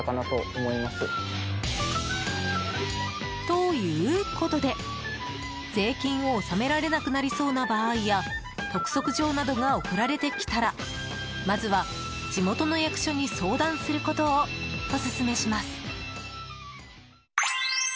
ということで税金を納められなくなりそうな場合や督促状などが送られてきたらまずは、地元の役所に相談することをオススメします。